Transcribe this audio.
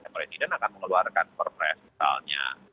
presiden akan mengeluarkan perpres misalnya